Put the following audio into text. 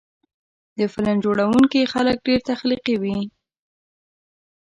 د فلم جوړوونکي خلک ډېر تخلیقي وي.